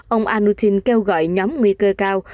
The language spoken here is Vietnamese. ông anutin kêu gọi nhóm nguy cơ cao